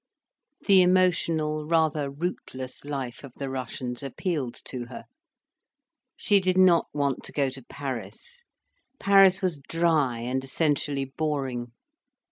The emotional, rather rootless life of the Russians appealed to her. She did not want to go to Paris. Paris was dry, and essentially boring.